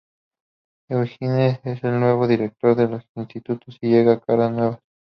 Eugeni es el nuevo director del instituto y llegan caras nuevas.